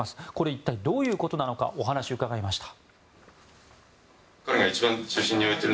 一体どういうことなのかお話を伺いました。